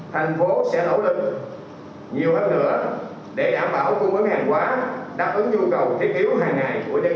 thành phố sẽ nỗ lực nhiều hơn nữa để đảm bảo cung ứng hàng quá đáp ứng nhu cầu thiết yếu hàng ngày của nhân dân